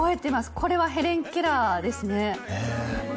これはヘレン・ケラーですねへえ